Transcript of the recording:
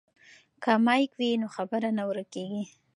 که مایک وي نو خبره نه ورکیږي.